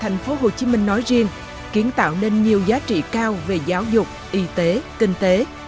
nói riêng kiến tạo nên nhiều giá trị cao về giáo dục y tế kinh tế